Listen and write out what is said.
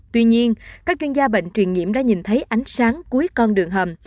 tuy nhiên các chuyên gia bệnh truyền nhiễm đã nhìn thấy ánh sáng cuối con đường hầm